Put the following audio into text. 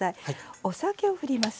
お酒をふります。